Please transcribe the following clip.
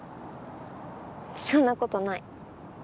そんなことない。